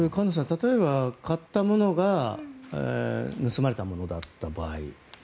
例えば買ったものが盗まれたものだった場合。